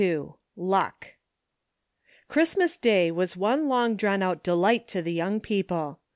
LUCK. CHRISTMAS DAY was one long drawn out delight to the young people.